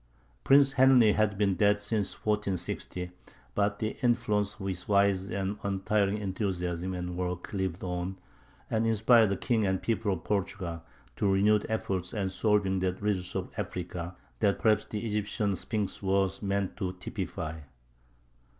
Prince Henry had been dead since 1460, but the influence of his wise and untiring enthusiasm and work lived on, and inspired the king and people of Portugal to renewed efforts at solving that riddle of Africa that perhaps the Egyptian sphinx was meant to typify.